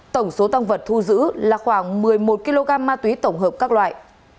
tổng số tăng vật thu giữ là khoảng một mươi một kg ma túy tổng hợp các loại